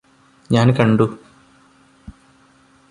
ഞാന് കണ്ടു